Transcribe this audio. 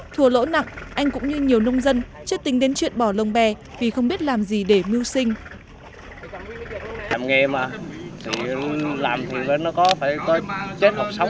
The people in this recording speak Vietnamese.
thua lỗ nặng anh cũng như nhiều nông dân chưa tính đến chuyện bỏ lồng bè vì không biết làm gì để mưu sinh